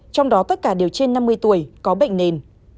trong đó tất cả đều trên năm mươi tuổi có bệnh nền